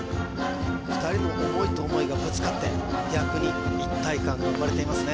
２人の思いと思いがぶつかって逆に一体感が生まれていますね